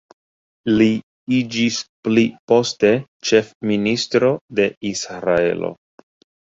Li iĝis pli poste ĉefministro de Israelo.